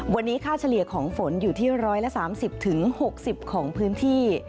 วันนี้ค่าเฉลี่ยของฝนอยู่ที่๑๓๐๖๐ของพื้นที่